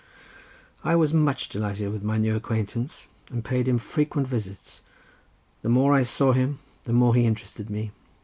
I was much delighted with my new acquaintance, and paid him frequent visits; the more I saw him the more he interested me.